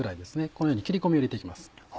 このように切り込みを入れて行きます。